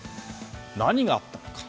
何があったのか。